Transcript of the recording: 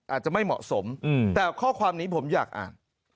อาจจะไม่เหมาะสมแต่ข้อความนี้ผมอยากอ่าน